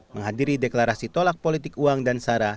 menghadiri deklarasi tolak politik uang dan sara